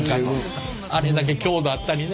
あれだけ強度あったりね。